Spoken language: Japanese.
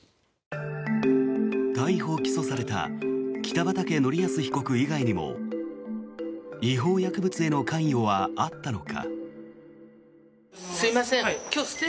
逮捕・起訴された北畠成文被告以外にも違法薬物への関与はあったのか。